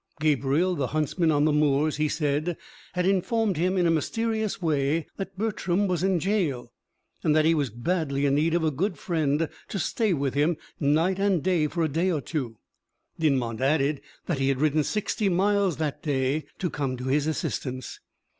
Gabriel, the huntsman on the moors, he said, had informed him in a mysterious way that Bertram was in gaol, and that he was badly in need of a good friend to stay with him night and day for a day or two. Dinmont added that he had ridden sixty miles that day to come to his assistance.